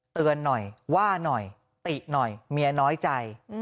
เตือนหน่อยว่าหน่อยติหน่อยเมียน้อยใจ